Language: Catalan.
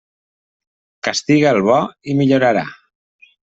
Castiga el bo, i millorarà.